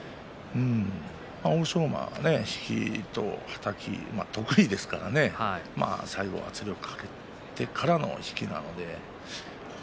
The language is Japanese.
欧勝馬は引きとはたきが得意ですから最後、圧力をかけてからの引きなので。